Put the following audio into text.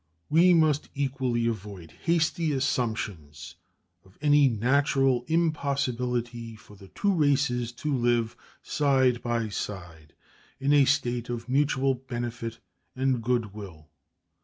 We must equally avoid hasty assumptions of any natural impossibility for the two races to live side by side in a state of mutual benefit and good will.